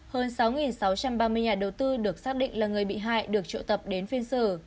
hơn sáu sáu trăm ba mươi nhà đầu tư được xác định là người bị hại được triệu tập đến phiên xử